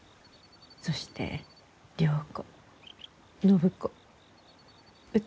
そして良子暢子歌子。